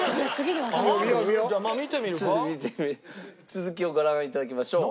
続きをご覧いただきましょう。